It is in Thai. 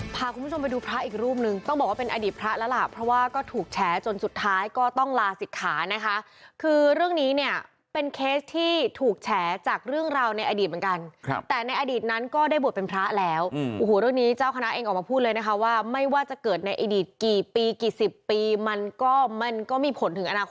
พาคุณผู้ชมไปดูพระอีกรูปนึงต้องบอกว่าเป็นอดีตพระแล้วล่ะเพราะว่าก็ถูกแฉจนสุดท้ายก็ต้องลาศิกขานะคะคือเรื่องนี้เนี่ยเป็นเคสที่ถูกแฉจากเรื่องราวในอดีตเหมือนกันครับแต่ในอดีตนั้นก็ได้บวชเป็นพระแล้วโอ้โหเรื่องนี้เจ้าคณะเองออกมาพูดเลยนะคะว่าไม่ว่าจะเกิดในอดีตกี่ปีกี่สิบปีมันก็มันก็มีผลถึงอนาคต